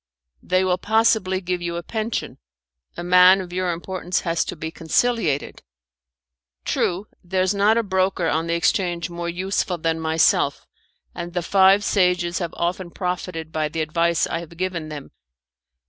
"They will possibly give you a pension. A man of your importance has to be conciliated." "True, there's not a broker on the exchange more useful than myself, and the five sages have often profited by the advice I have given them.